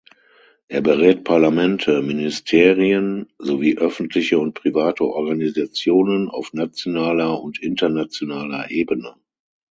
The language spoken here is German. Er berät Parlamente, Ministerien sowie öffentliche und private Organisationen auf nationaler und internationaler Ebene.